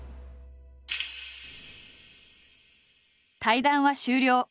対談は終了。